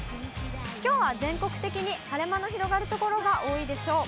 きょうは全国的に晴れ間の広がる所が多いでしょう。